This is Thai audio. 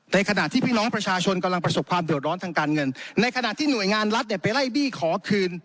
ขณะที่พี่น้องประชาชนกำลังประสบความเดือดร้อนทางการเงินในขณะที่หน่วยงานรัฐเนี่ยไปไล่บี้ขอคืน